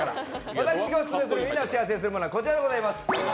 私がオススメするみんなを幸せにするものはこちらです。